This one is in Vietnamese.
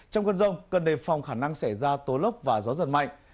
trong cơn rông cần đề phòng khả năng xảy ra tố lốc và gió giật mạnh